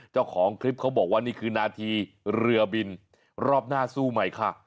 เจ้าของคลิปเขาบอกว่านี่คือนาทีเรือบินรอบหน้าสู้ใหม่ค่ะ